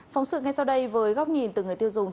phóng sự ngay sau đây với góc nhìn từ người tiêu dùng